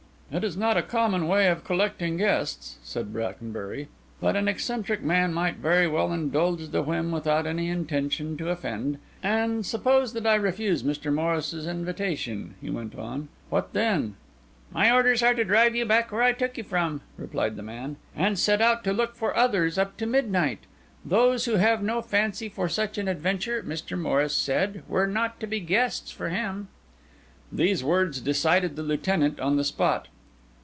"It is not a common way of collecting guests," said Brackenbury: "but an eccentric man might very well indulge the whim without any intention to offend. And suppose that I refuse Mr. Morris's invitation," he went on, "what then?" "My orders are to drive you back where I took you from," replied the man, "and set out to look for others up to midnight. Those who have no fancy for such an adventure, Mr. Morris said, were not the guests for him." These words decided the Lieutenant on the spot.